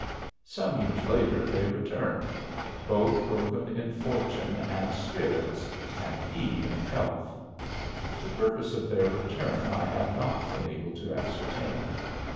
Some years later they returned, both broken in fortune and spirits and he in health. The purpose of their return I have not been able to ascertain.